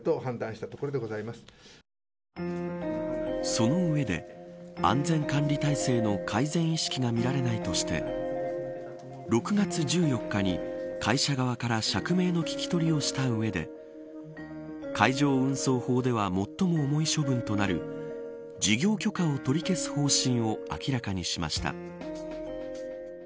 その上で安全管理体制の改善意識が見られないとして６月１４日に会社側から釈明の聞き取りをした上で海上運送法では最も重い処分となる事業許可を取り消す方針を明らかにしました。